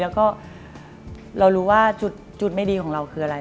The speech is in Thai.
แล้วก็เรารู้ว่าจุดไม่ดีของเราคืออะไร